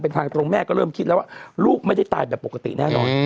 เป็นทางตรงแม่ก็เริ่มคิดแล้วว่าลูกไม่ได้ตายแบบปกติแน่นอน